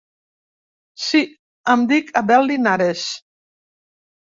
Si, em dic Abel Linares.